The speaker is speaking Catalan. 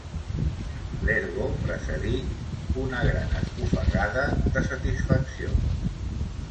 L'ergo precedí una gran esbufegada de satisfacció.